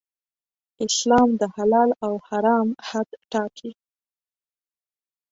اسلام د حلال او حرام حد ټاکي.